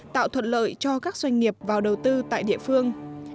tạo thuận lợi cho các doanh nghiệp vào đầu tư tại địa phương